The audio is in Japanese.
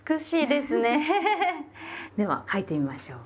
では書いてみましょう。